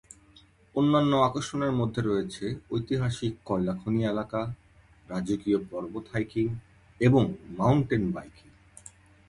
অন্যান্য আকর্ষণের মধ্যে রয়েছে ঐতিহাসিক কয়লা খনি এলাকা, রাজকীয় পর্বত হাইকিং এবং মাউন্টেন বাইকিং।